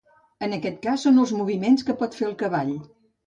En aquest cas són els moviments que pot fer el cavall.